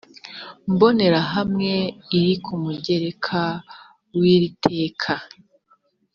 mbonerahamwe iri ku mugereka w iri teka